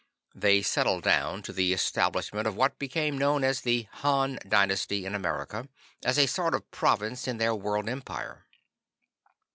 They settled down to the establishment of what became known as the Han dynasty in America, as a sort of province in their World Empire.